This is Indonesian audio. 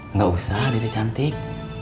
nggak usah dede cantik